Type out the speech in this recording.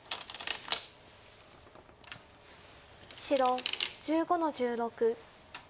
白１５の十六。